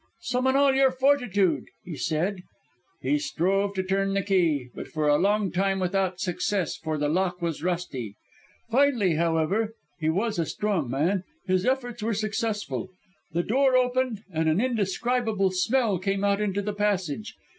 "'Summon all your fortitude,' he said. "He strove to turn the key, but for a long time without success for the lock was rusty. Finally, however he was a strong man his efforts were successful. The door opened, and an indescribable smell came out into the passage.